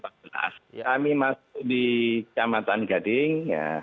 kami masuk di camatan gading